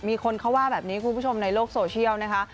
มีคนเขาว่าแบบนี้คุณผู้ชมในโลกโซเชียลนะคะ